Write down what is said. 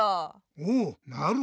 おおなるほど！